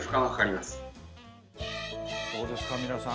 どうですか皆さん。